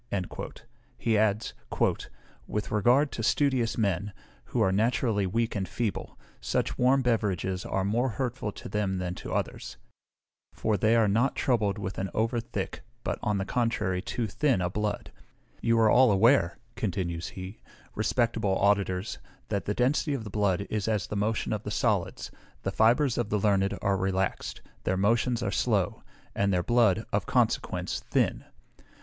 He adds, "with regard to studious men, who are naturally weak and feeble, such warm beverages are more hurtful to them than to others; for they are not troubled with an over thick, but, on the contrary, too thin a blood. You are all aware," continues he, "respectable auditors, that the density of the blood is as the motion of the solids; the fibres of the learned are relaxed, their motions are slow, and their blood, of consequence, thin.